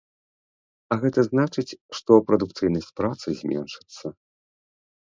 А гэта значыць, што прадукцыйнасць працы зменшыцца.